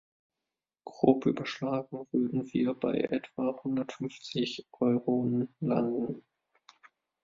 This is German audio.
Grob überschlagen würden wir bei etwa hundertfünfzig Euronen landen.